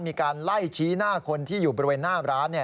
มีการไล่ชี้หน้าคนที่อยู่บริเวณหน้าร้าน